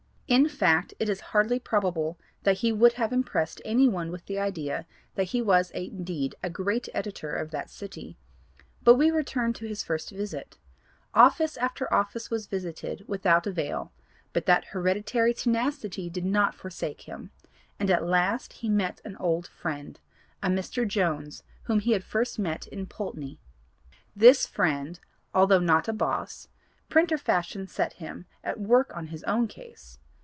In fact it is hardly probable that he would have impressed any one with the idea that he was indeed a great editor of that city. But we return to his first visit; office after office was visited without avail but that hereditary 'tenacity' did not forsake him, and at last he met an old friend, a Mr. Jones whom he had first met in Poultney. This friend, although not a 'boss,' printer fashion set him at work on his own case.